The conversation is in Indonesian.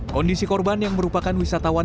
kondisi korban yang merupakan wisatawan